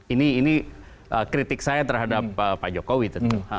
ini kritik saya terhadap pak jokowi tentu